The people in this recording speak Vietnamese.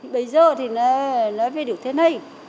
bây giờ thì nó về được thế này